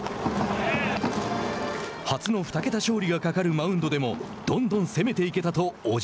初の２桁勝利がかかるマウンドでもどんどん攻めていけたと小島。